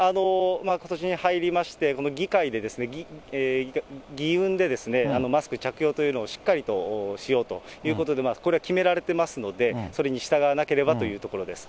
ことしに入りまして、この議会で、議運でマスク着用というのをしっかりとしようということで、これ、決められてますので、それに従わなければというところです。